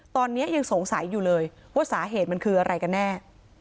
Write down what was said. ตอนนี้ยังสงสัยอยู่เลยว่าสาเหตุมันคืออะไรกันแน่